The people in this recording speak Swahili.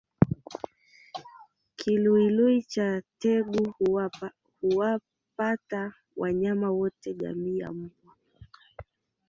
Kiluilui cha tegu huwapata wanyama wote jamii ya mbwa